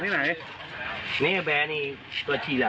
นี่แบรนด์นี่ตัวทีละ